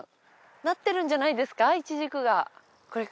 なってるんじゃないですかイチジクが。